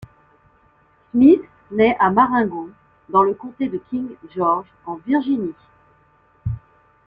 Smith naît à Marengo, dans le comté de King George en Virginie.